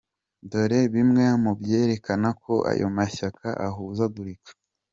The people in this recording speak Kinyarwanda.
Dore bimwe mu byerekana ko ayo mashyaka ahuzagurika :